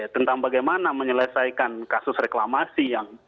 tentang bagaimana menyelesaikan kasus reklamasi yang